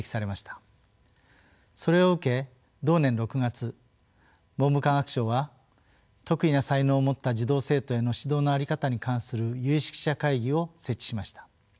それを受け同年６月文部科学省は特異な才能を持った児童生徒への指導の在り方に関する有識者会議を設置しました。